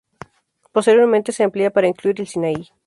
Posteriormente se amplió para incluir el Sinaí.